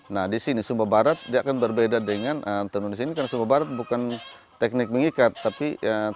nah di sini sumba barat dia akan berbeda dengan tenun di sini karena sumba barat bukan teknik mengikat tapi